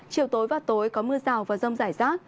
chiều tối và tối có mưa rào và rông rải rác